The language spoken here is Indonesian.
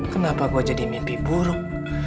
kenapa gue jadi mimpi buruk